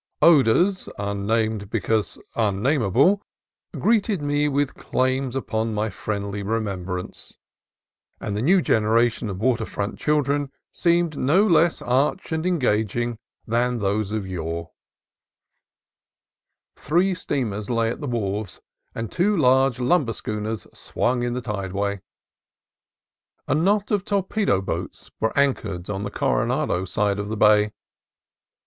Odors unnamed because unnamable greeted me with claims on my friendly remembrance, and the new generation of water front children seemed no less arch and engaging than those of yore. THE HIGHLANDS OF MEXICO 53 Three steamers lay at the wharves, and two large lumber schooners swung in the tideway. A knot of torpedo boats were anchored on the Coronado side of the bay.